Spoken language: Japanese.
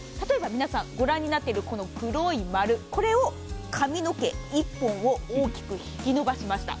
皆さん御覧になっている黒い丸髪の毛１本を大きく引き延ばしました。